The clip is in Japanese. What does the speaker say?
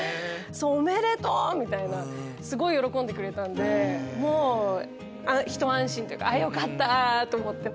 「おめでとう！」みたいなすごい喜んでくれたんでもうひと安心というかよかった！と思って。